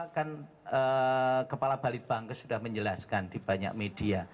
kan kepala balitbangkes sudah menjelaskan di banyak media